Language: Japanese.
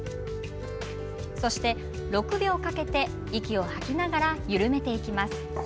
そして、６秒かけて息を吐きながら緩めていきます。